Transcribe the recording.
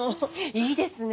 いいですね！